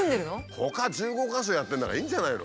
ほか１５か所やってるんだからいいんじゃないの？